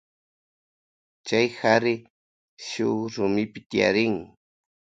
Chay kari shuk rumipi tiyarin.